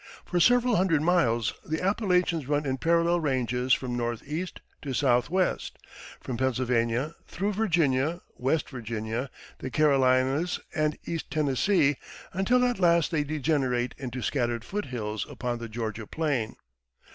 For several hundred miles the Appalachians run in parallel ranges from northeast to southwest from Pennsylvania, through Virginia, West Virginia, the Carolinas, and east Tennessee, until at last they degenerate into scattered foot hills upon the Georgia plain.